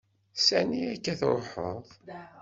Sani akka ara truḥeḍ?